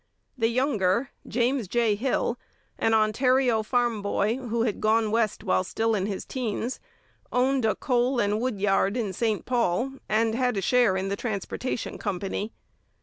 The younger, James J. Hill, an Ontario farm boy who had gone west while still in his teens, owned a coal and wood yard in St Paul, and had a share in the transportation company.